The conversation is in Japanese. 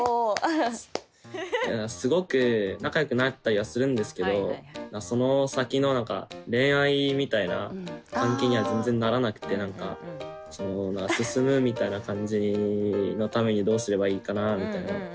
すごく仲良くなったりはするんですけどその先の何か恋愛みたいな関係には全然ならなくって何かその進むみたいな感じのためにどうすればいいかなみたいな。